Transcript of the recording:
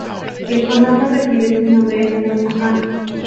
El condado recibe su nombre en honor a Maj.